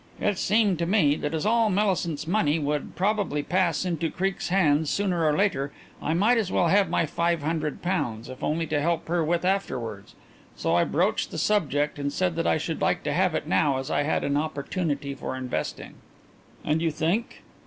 It seemed to me that as all Millicent's money would probably pass into Creake's hands sooner or later I might as well have my five hundred pounds, if only to help her with afterwards. So I broached the subject and said that I should like to have it now as I had an opportunity for investing." "And you think?"